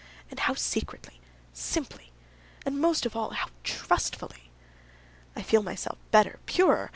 And how secretly, simply, and most of all, how trustfully! I feel myself better, purer.